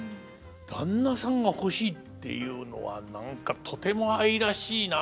「旦那さんが欲しい」っていうのは何かとても愛らしいなあ。